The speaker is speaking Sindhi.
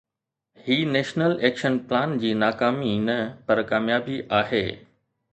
هي نيشنل ايڪشن پلان جي ناڪامي نه پر ڪاميابي آهي.